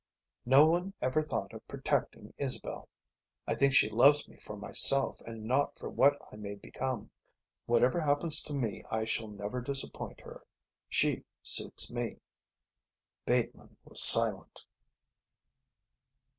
No one ever thought of protecting Isabel. I think she loves me for myself and not for what I may become. Whatever happens to me I shall never disappoint her. She suits me." Bateman was silent.